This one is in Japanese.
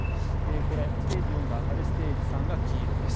これはステージ４が赤でステージ３が黄色です。